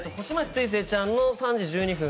すいせいちゃんの「３時１２分」